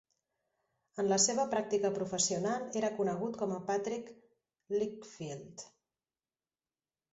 En la seva pràctica professional era conegut com a Patrick Lichfield.